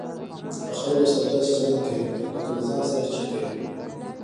له خلکو سره داسي چلند کوئ؛ لکه له ځان سره چې کوى.